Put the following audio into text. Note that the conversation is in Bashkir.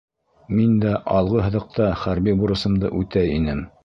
Мин дә алғы һыҙыҡта хәрби бурысымды үтәй инем.